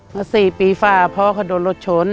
มา๔ปีฝ่าพ่อเขาโดนรถชน